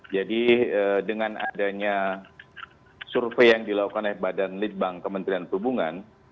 dengan adanya survei yang dilakukan oleh badan litbang kementerian perhubungan